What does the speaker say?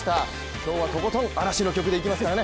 今日はとことん嵐の曲でいきますからね